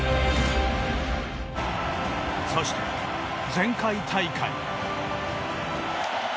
そして前回大会。